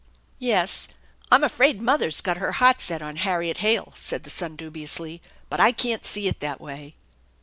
"Yes, I'm afraid mother's got her heart set on Harriet Hale," said the son dubiously, " but I can't see it that way."